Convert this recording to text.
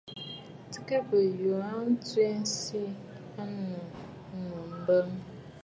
Tɨgə bìꞌiyu tswe aa tsiꞌì nɨ̂ ǹtɨɨ mɔꞌɔ̀?